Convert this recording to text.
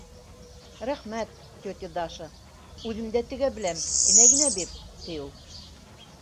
— Рәхмәт, тетя Даша, үҙем дә тегә беләм, энә генә бир, — ти ул.